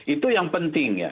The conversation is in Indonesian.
itu yang penting ya